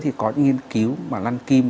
thì có những nghiên cứu mà lăn kim